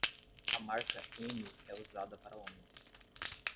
A marca M é usada para homens.